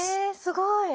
えすごい。